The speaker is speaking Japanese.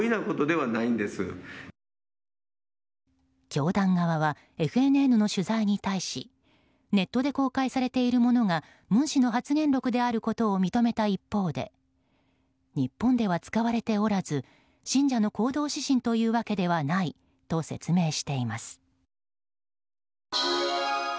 教団側はＦＮＮの取材に対しネットで公開されているものが文氏の発言録であることを認めた一方で日本では使われておらず信者の行動指針というわけではないと説明しています。